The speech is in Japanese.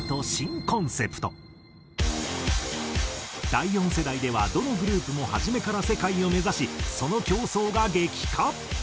第４世代ではどのグループも初めから世界を目指しその競争が激化！